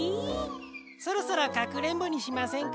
そろそろかくれんぼにしませんか？